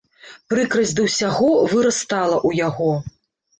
Прыкрасць да ўсяго вырастала ў яго.